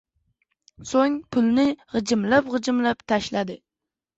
soʻng pulni gʻijimlab-gʻijimlab tashladi.